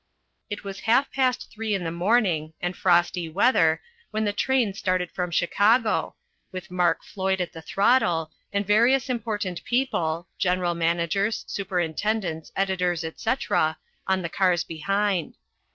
It was half past three in the morning, and frosty weather, when the train started from Chicago, with Mark Floyd at the throttle, and various important people general managers, superintendents, editors, etc. on the cars behind.